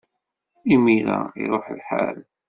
Imir-a, iṛuḥ lḥal!